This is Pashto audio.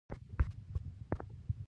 د ماشوم د قبضیت لپاره د څه شي اوبه ورکړم؟